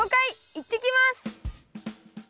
いってきます！